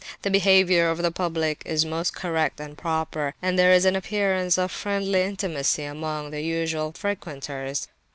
The behaviour of the public is most correct and proper, and there is an appearance of friendly intimacy among the usual frequenters.